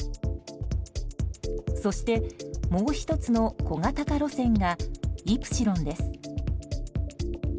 そして、もう１つの小型化路線がイプシロンです。